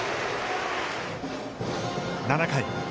７回。